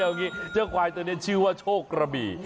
เอางี้เจ้าขวายตัวนี้ชื่อว่าโชกระบี